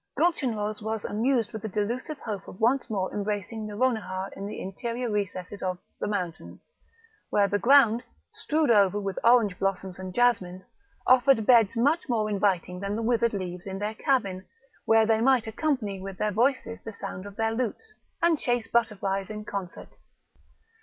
Gulchenrouz was amused with the delusive hope of once more embracing Nouronihar in the interior recesses of the mountains, where the ground, strewed over with orange blossoms and jasmines, offered beds much more inviting than the withered leaves in their cabin, where they might accompany with their voices the sounds of their lutes, and chase butterflies in concert.